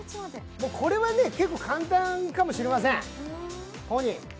これはね、結構簡単かもしれません。